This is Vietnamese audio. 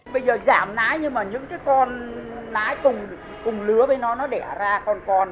bây giờ giảm nái nhưng mà những con nái cùng lứa với nó đẻ ra con con